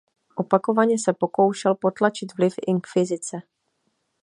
Opakovaně se pokoušel potlačit vliv inkvizice.